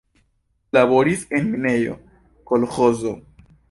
Laboris en minejo, kolĥozo.